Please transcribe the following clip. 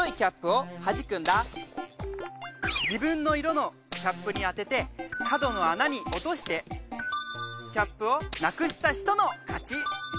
じぶんの色のキャップにあてて角のあなにおとしてキャップをなくした人のかち。